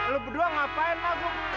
lo berdua ngapain mak